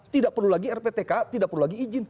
tidak perlu lagi rptka tidak perlu lagi izin